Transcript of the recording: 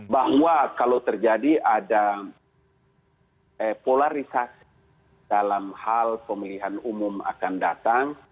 bahwa kalau terjadi ada polarisasi dalam hal pemilihan umum akan datang